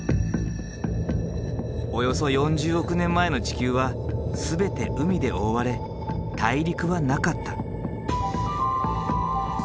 およそ４０億年前の地球は全て海で覆われ大陸はなかった。